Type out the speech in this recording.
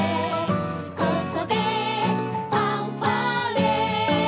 「ここでファンファーレ」